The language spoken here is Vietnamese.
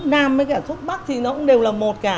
nam với cả thuốc bắc thì nó cũng đều là một cả